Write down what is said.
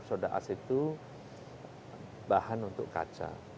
soda as itu bahan untuk kaca